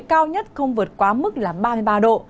cao nhất không vượt quá mức là ba mươi ba độ